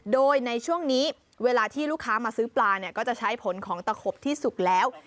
โดยในช่วงนี้เวลาที่ลูกค้ามาซื้อปลาเนี่ยก็จะใช้ผลของตะขบที่สุกแล้ว